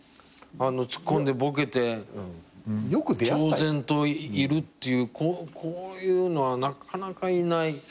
ツッコんでボケて超然といるっていうこういうのはなかなかいない。